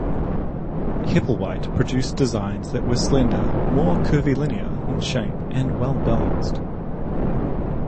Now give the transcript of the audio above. Hepplewhite produced designs that were slender, more curvilinear in shape and well balanced.